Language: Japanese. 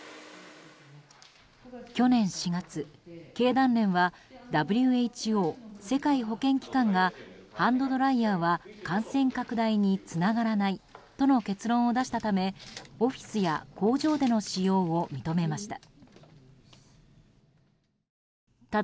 去年４月、経団連はＷＨＯ・世界保健機関がハンドドライヤーは感染拡大につながらないとの結論を出したためオフィスや工場での使用を認めました。